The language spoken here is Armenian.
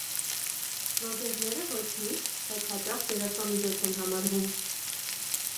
Բլոգերները ոչ միշտ, բայց հաճախ լրատվամիջոց են համարվում։